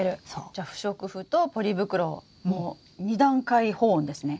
じゃ不織布とポリ袋の２段階保温ですね。